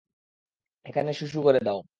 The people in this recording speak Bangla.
এখানে শূশু করে দাও।